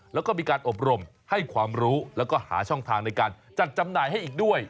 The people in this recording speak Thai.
แล้วก็มีการอบรมให้ความรู้แล้วก็หาช่องทางในการจัดจำหน่ายให้อีกด้วย